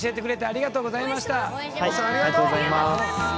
ありがとうございます。